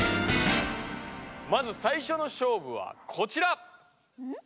まずさいしょの勝負はこちら！